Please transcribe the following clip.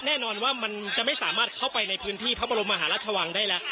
แน่นอนว่ามันจะไม่สามารถเข้าไปในพื้นที่พระบรมมหาราชวังได้แล้ว